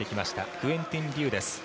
クェンティン・リューです。